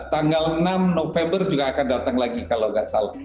tanggal enam november juga akan datang lagi kalau nggak salah